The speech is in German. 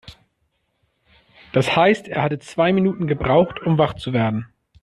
Das heißt, er hatte zwei Minuten gebraucht, um wach zu werden.